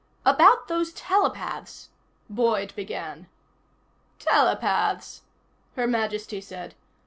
"About those telepaths " Boyd began. "Telepaths," Her Majesty said.